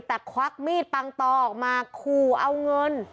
แต่ควักมีดปังตอออกมาขู่เอาเงิน